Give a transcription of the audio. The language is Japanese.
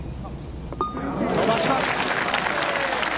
伸ばします。